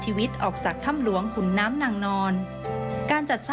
ช่วยให้สามารถสัมผัสถึงความเศร้าต่อการระลึกถึงผู้ที่จากไป